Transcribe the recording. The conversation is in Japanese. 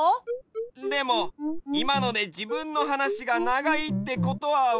でもいまのでじぶんのはなしがながいってことはわかったよね？